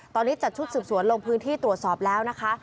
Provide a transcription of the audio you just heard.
ตอนนี้จัดชุดสืบสวนลงพื้นที่ตรวจสอบแล้วนะคะ